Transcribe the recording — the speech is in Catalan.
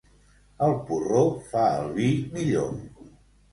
El porró fa el vi millor.